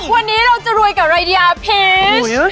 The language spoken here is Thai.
วันนี้เราจะรวยกับอะไรดีอาพิช